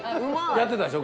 やってたでしょ？